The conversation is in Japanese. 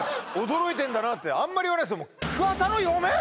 驚いてるんだなってあんまり言わないっすもん